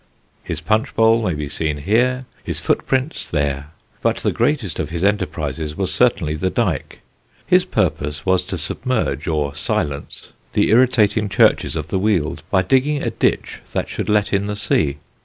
'" His punchbowl may be seen here, his footprints there; but the greatest of his enterprises was certainly the Dyke. His purpose was to submerge or silence the irritating churches of the Weald, by digging a ditch that should let in the sea.